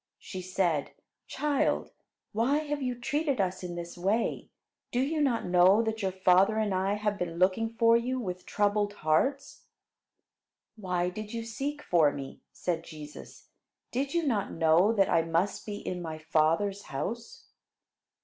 She said: "Child, why have you treated us in this way? Do you not know that your father and I have been looking for you with troubled hearts?" "Why did you seek for me," said Jesus. "Did you not know that I must be in my Father's house?"